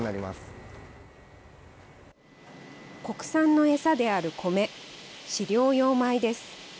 国産の餌である米、飼料用米です。